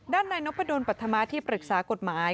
ด้านนายนพดลปัธมาที่ปรึกษากฎหมาย